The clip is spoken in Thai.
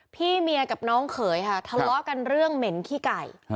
พี่เมียกับน้องเขยค่ะทะเลาะกันเรื่องเหม็นขี้ไก่